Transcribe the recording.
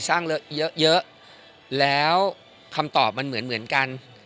เยอะเยอะแล้วคำตอบมันเหมือนเหมือนกัน